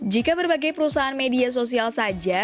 jika berbagai perusahaan media sosial saja